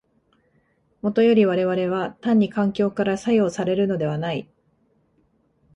もとより我々は単に環境から作用されるのではない。